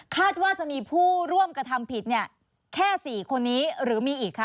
คาดว่าจะมีผู้ร่วมกับทำผิดแค่๔คนหรือมีอีกค่ะ